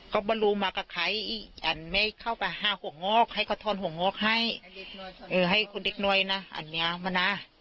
ก็ไม่รู้ว่ามันสื่ออะไรมันเข้าไปอื่นข้างหน้า